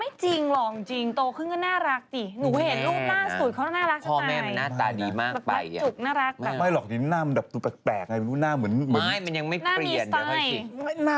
ไม่จริงหรอกจริงตว่าตัวขึ้นก็น่ารักจิ